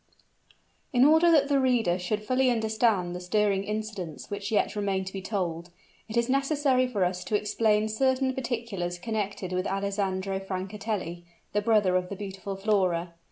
In order that the reader should fully understand the stirring incidents which yet remain to be told, it is necessary for us to explain certain particulars connected with Alessandro Francatelli, the brother of the beautiful Flora.